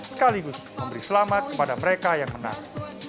sekaligus memberi selamat kepada mereka yang menang